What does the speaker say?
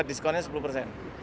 diskonnya sepuluh persen